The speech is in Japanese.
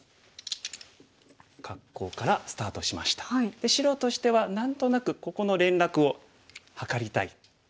で白としては何となくここの連絡を図りたい。